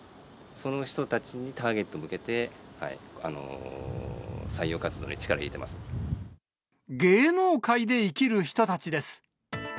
その人たちにターゲット向けて、芸能界で生きる人たちです。